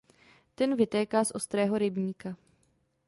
Ten vytéká z Ostrého rybníka.